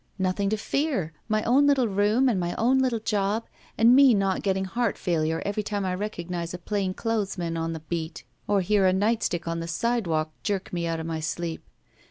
Nothing to fear. My own little room and my own little job and me not getting heart failure every time I recog nize a plain clothes man on the beat or hear a night stick on the sidewalk jerk me out of my sleep.